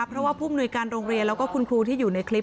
เพราะว่าผู้มนุยการโรงเรียนแล้วก็คุณครูที่อยู่ในคลิป